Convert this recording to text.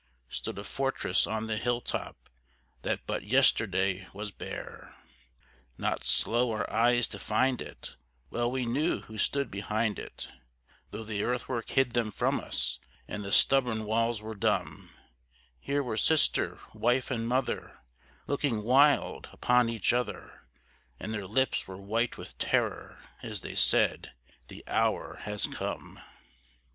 Stood a fortress on the hill top that but yesterday was bare. Not slow our eyes to find it; well we knew who stood behind it, Though the earthwork hid them from us, and the stubborn walls were dumb: Here were sister, wife, and mother, looking wild upon each other, And their lips were white with terror as they said, THE HOUR HAS COME!